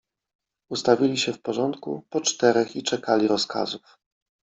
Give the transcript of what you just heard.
Ustawili się w porządku, po czterech i czekali rozkazów.